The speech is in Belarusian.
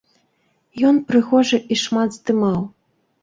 Ён прыгожа і шмат здымаў.